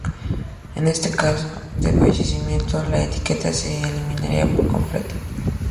En caso de fallecimiento, la etiqueta se eliminará por completo.